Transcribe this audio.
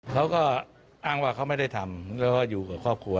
เขาก็อ้างว่าเขาไม่ได้ทำแล้วก็อยู่กับครอบครัว